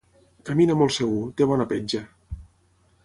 Camina molt segur: té bona petja.